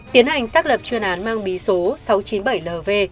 tiến hành xác lập chuyên án mang bí số sáu trăm chín mươi bảy lv